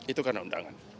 itu karena undangan